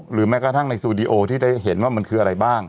แม้กระทั่งในสตูดิโอที่ได้เห็นว่ามันคืออะไรบ้าง